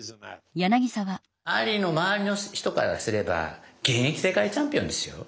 アリの周りの人からすれば現役世界チャンピオンですよ。